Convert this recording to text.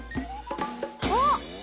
あっ！